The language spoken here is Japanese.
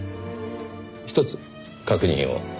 ひとつ確認を。